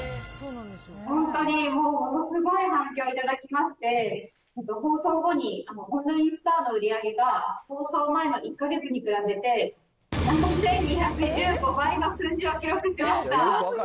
本当にもう、ものすごい反響を頂きまして、放送後にオンラインストアの売り上げが、放送前の１か月に比べて、７２１５倍の数字を記録しました。